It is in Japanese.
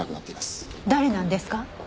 誰なんですか？